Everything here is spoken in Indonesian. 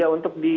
ya untuk di medan